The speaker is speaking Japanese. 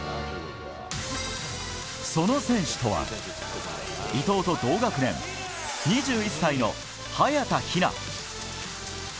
その選手とは伊藤と同学年２１歳の早田ひな。